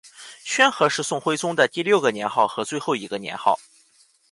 宣和是宋徽宗的第六个年号和最后一个年号。